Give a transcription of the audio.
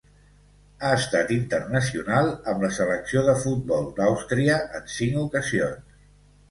Ha estat internacional amb la Selecció de futbol d'Àustria en cinc ocasions.